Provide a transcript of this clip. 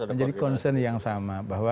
menjadi concern yang sama bahwa